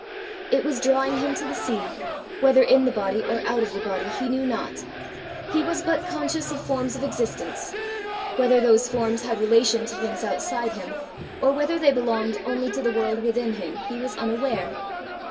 It was drawing him to the sea, whether in the body or out of the body he knew not: he was but conscious of forms of existence: whether those forms had relation to things outside him, or whether they belonged only to the world within him, he was unaware.